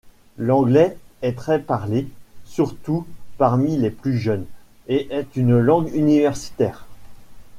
L'anglais est très parlé, surtout parmi les plus jeunes, et est une langue universitaire.